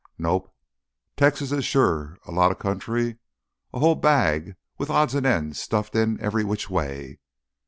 "Nope. Texas sure is a lotta country, a whole bag with odds an' ends stuffed in any which way.